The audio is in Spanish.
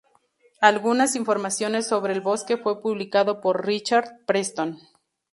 Algunas informaciones sobre el bosque fue publicado por Richard Preston.